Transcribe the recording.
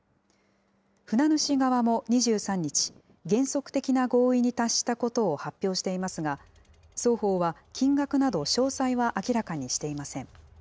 船主側も２３日、原則的な合意に達したことを発表していますが、双方は、金額など詳細は明らかにしていません。